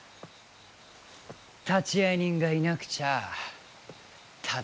立会人がいなくちゃただのケンカだ。